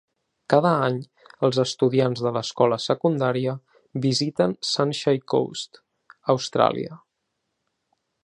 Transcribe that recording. Cada any, els estudiants de l'escola secundària visiten Sunshine Coast, Austràlia.